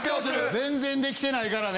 全然できてないからね！